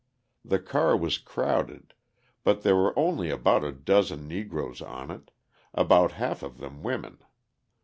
The car was crowded, but there were only about a dozen Negroes on it, about half of them women.